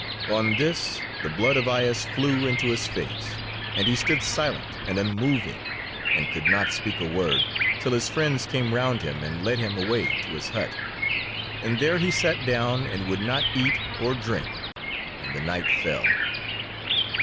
On this, the blood of Aias flew into his face, and he stood silent and unmoving, and could not speak a word, till his friends came round him and led him away to his hut, and there he sat down and would not eat or drink, and the night fell.